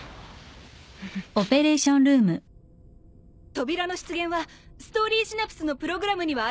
扉の出現はストーリーシナプスのプログラムにはありません！